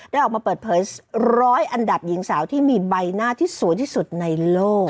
ออกมาเปิดเผยร้อยอันดับหญิงสาวที่มีใบหน้าที่สวยที่สุดในโลก